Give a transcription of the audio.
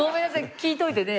聞いておいてね。